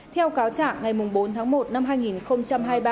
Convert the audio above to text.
theo cáo trạng ngày bốn tháng một năm hai nghìn hai mươi ba